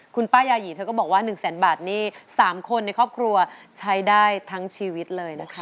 คุณป้ายาหยีเธอก็บอกว่า๑แสนบาทนี่๓คนในครอบครัวใช้ได้ทั้งชีวิตเลยนะคะ